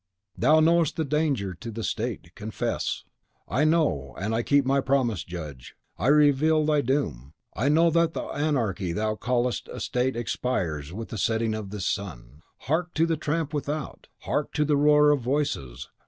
"Thou knowest the danger to the State, confess!" "I know; and I keep my promise. Judge, I reveal thy doom! I know that the Anarchy thou callest a State expires with the setting of this sun. Hark, to the tramp without; hark to the roar of voices!